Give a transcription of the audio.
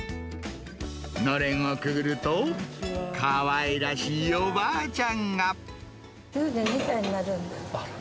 のれんをくぐると、かわいらしい９２歳になるんです。